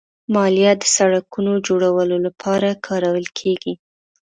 مالیه د سړکونو جوړولو لپاره کارول کېږي.